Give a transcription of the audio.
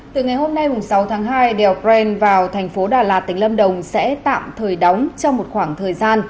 từ ngày hôm nay sáu tháng hai đèo bren vào thành phố đà lạt tỉnh lâm đồng sẽ tạm thời đóng trong một khoảng thời gian